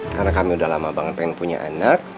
karena kami udah lama banget pengen punya anak